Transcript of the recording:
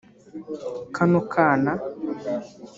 ‘Kano kana’